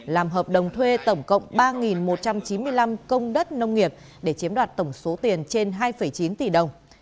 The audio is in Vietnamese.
làm hợp đồng thuê tổng cộng ba một trăm chín mươi năm công đất nông nghiệp để chiếm đoạt tổng số tiền trên hai chín tỷ đồng